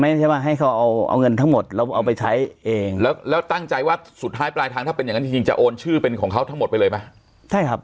ไม่ใช่ว่าให้เขาเอาเอาเงินทั้งหมดเราเอาไปใช้เองแล้วแล้วตั้งใจว่าสุดท้ายปลายทางถ้าเป็นอย่างนั้นจริงจริงจะโอนชื่อเป็นของเขาทั้งหมดไปเลยไหมใช่ครับ